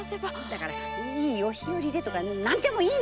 だから「いいお日和で」とか何でもいいのっ！